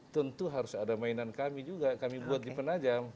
tentu harus ada mainan kami juga kami buat di penajam